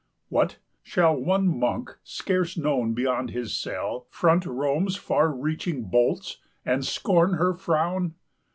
What! shall one monk, scarce known beyond his cell, Front Rome's far reaching bolts, and scorn her frown?